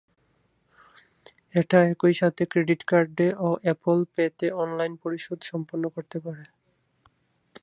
এটা একইসাথে ক্রেডিট কার্ডে ও অ্যাপল পেতে অনলাইন পরিশোধ সম্পন্ন করতে পারে।